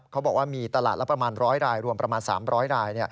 เขาบอกว่ามีตลาดละประมาณ๓๐๐ลาย